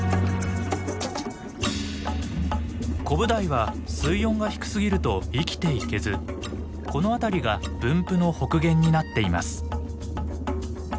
コブダイは水温が低すぎると生きていけずこの辺りが分布の北限になっています。